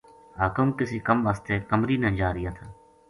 حاکم کِسے کم واسطے قامری نا جا رہیا تھا